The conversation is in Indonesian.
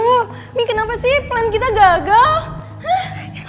aduh mi kenapa sih plan kita gagal